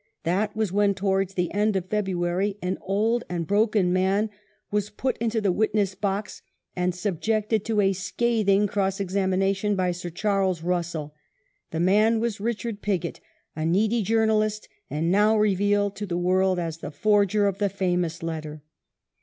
That was when, towards the end of February, an old and broken man was put into the witness box, and subjected to a scathing cross examination by Sir Charles Russell. The man was Richard Pigott, a needy journalist, and now revealed to the world as the forger of the famous letter.